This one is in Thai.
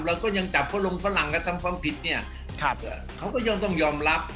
เราก็ยังจับเขาลงฝรั่งและทำความผิดเขาก็ยอมต้องยอมรับ